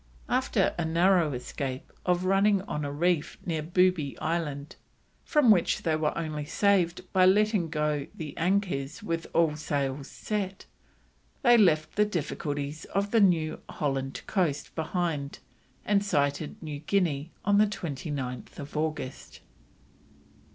After a narrow escape of running on a reef near Booby Island, from which they were only saved by letting go the anchors with all sails set, they left the difficulties of the New Holland coast behind and sighted New Guinea on 29th August.